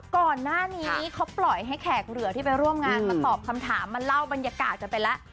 ก่อนหน้านี้เขาปล่อยให้แขกเหลือที่ไปร่วมงานมาตอบคำถามมาเล่าบรรยากาศกันไปแล้ว